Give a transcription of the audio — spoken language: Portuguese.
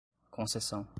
concessão